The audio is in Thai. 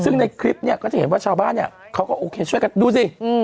ซึ่งในคลิปเนี่ยก็จะเห็นว่าชาวบ้านเนี่ยเขาก็โอเคช่วยกันดูสิ